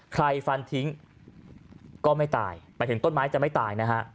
ฟันทิ้งก็ไม่ตายหมายถึงต้นไม้จะไม่ตายนะฮะ